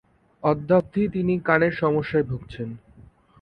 অদ্যাবধি তিনি কানের সমস্যায় ভুগছেন।